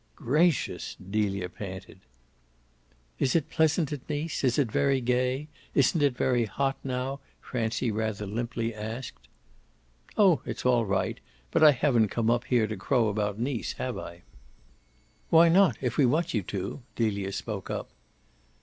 "Gracious!" Delia panted. "Is it pleasant at Nice? Is it very gay? Isn't it very hot now?" Francie rather limply asked. "Oh it's all right. But I haven't come up here to crow about Nice, have I?" "Why not, if we want you to?" Delia spoke up.